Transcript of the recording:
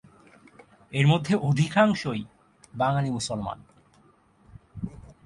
এর মধ্যে অধিকাংশই বাঙালি মুসলমান।